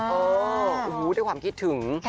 โอ้โหด้วยความคิดถึง